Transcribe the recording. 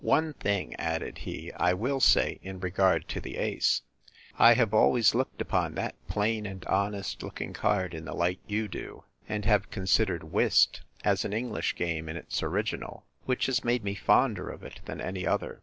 One thing, added he, I will say, in regard to the ace: I have always looked upon that plain and honest looking card in the light you do: and have considered whist as an English game in its original; which has made me fonder of it than of any other.